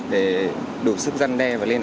để đủ sức dăn đe và lên án